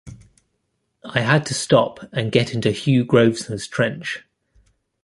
I had to stop and get into Hugh Grosvenor's trench.